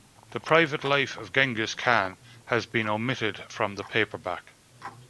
"The Private Life of Genghis Khan" has been omitted from the paperback.